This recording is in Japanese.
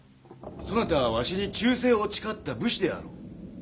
そなたはわしに忠誠を誓った武士である。